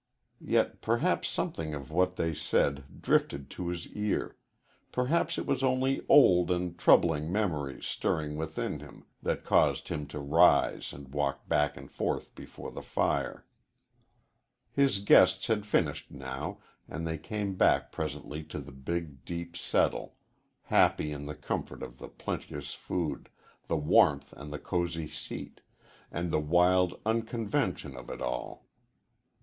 Yet perhaps something of what they said drifted to his ear perhaps it was only old and troubling memories stirring within him that caused him to rise and walk back and forth before the fire. His guests had finished now, and they came back presently to the big, deep settle, happy in the comfort of plenteous food, the warmth and the cosy seat, and the wild unconvention of it all.